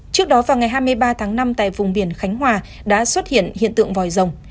trước đó vào ngày hai mươi ba tháng năm tại vùng biển khánh hòa đã xuất hiện hiện tượng vòi rồng